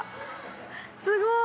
すごい。